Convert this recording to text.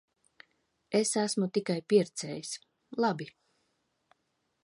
Es esmu tikai pircējs. Labi.